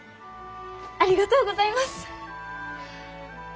ありがとうございます！